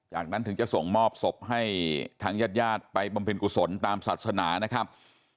จากนั้นถึงจะส่งมอบศพให้ทางญาติญาติไปบำเพ็ญกุศลตามศาสนานะครับ